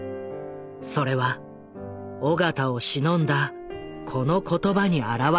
それは緒方をしのんだこの言葉に表れている。